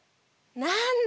なんだ。